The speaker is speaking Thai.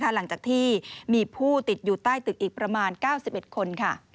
หลังจากที่มีผู้ติดอยู่ใต้ตึกอีกประมาณ๙๑คน